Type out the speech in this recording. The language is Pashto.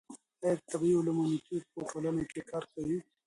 ايا د طبيعي علومو ميتود په ټولنه کي کار کوي؟